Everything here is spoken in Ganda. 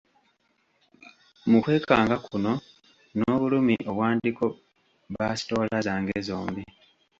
Mu kwekanga kuno n'obulumi obwandiko basitoola zange zombi.